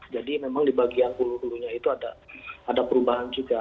jadi memang di bagian ulunya itu ada perubahan juga